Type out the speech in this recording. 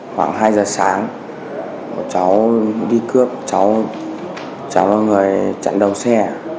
khoảng hai giờ sáng một cháu đi cướp cháu là người chặn đầu xe